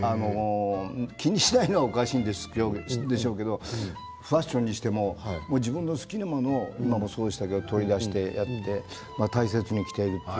気にしないのはおかしいでしょうけどファッションにしても自分の好きなものを掘り出して選んで大切に着ている。